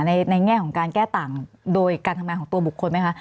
ในแง่ของการแก้ต่างโดยการทำงานของตัวบุคคลไหมคะ